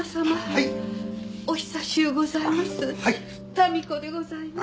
民子でございます。